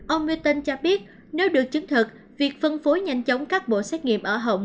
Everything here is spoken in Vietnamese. ông meton cho biết nếu được chứng thực việc phân phối nhanh chóng các bộ xét nghiệm ở hồng